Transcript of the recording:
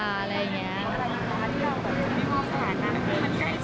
อะไรอย่างนี้